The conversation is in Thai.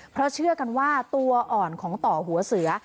เพราะเชื่อกันว่าตัวอ่อนของต่อหัวเสือ